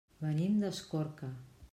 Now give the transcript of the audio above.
Venim d'Escorca.